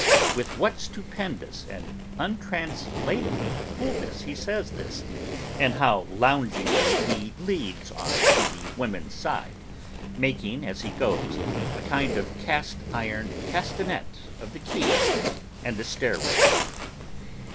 With what stupendous and untranslatable coolness he says this, and how loungingly he leads on to the women's side: making, as he goes, a kind of iron castanet of the key and the stair rail!